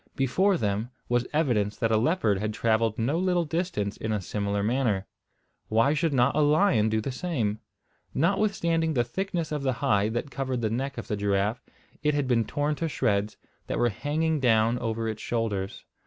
Before them was evidence that a leopard had travelled no little distance in a similar manner. Why should not a lion do the same? Notwithstanding the thickness of the hide that covered the neck of the giraffe, it had been torn to shreds, that were hanging down over its shoulders.